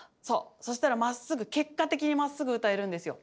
そしたらまっすぐ結果的にまっすぐ歌えるんですよ。